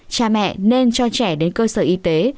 cha mẹ nên cho trẻ đến cơ sở y tế